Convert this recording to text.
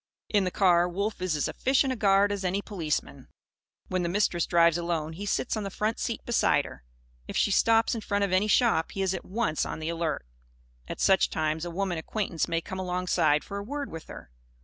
In the car, Wolf is as efficient a guard as any policeman. When the Mistress drives alone, he sits on the front seat beside her. If she stops in front of any shop, he is at once on the alert. At such times, a woman acquaintance may come alongside for a word with her.